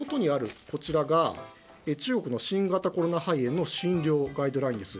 私の手元にある、こちらが中国の新型コロナ肺炎の診療ガイドラインです。